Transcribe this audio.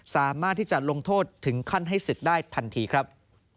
สามารถที่จะลงโทษถึงขั้นให้ศึกได้ทันทีครับ